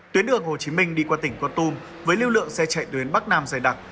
tuyến đường hồ chí minh đi qua tỉnh con tum với lưu lượng xe chạy tuyến bắc nam dài đặc